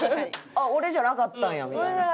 「あっ俺じゃなかったんや」みたいな。